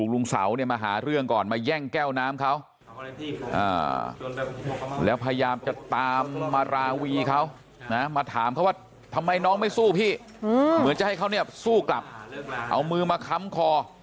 แล้วพยายามจะตามมาราวีเขามาถามเขาว่าทำไมน้องไม่สู้พี่เหมือนจะให้เขาสู้กลับเอามือมาค้ำคอ